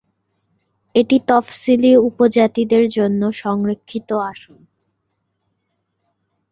এটি তফসিলি উপজাতিদের জন্য সংরক্ষিত আসন।